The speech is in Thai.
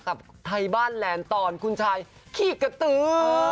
กับไทยบ้านแลนด์ตอนคุณชายขี้กระตือ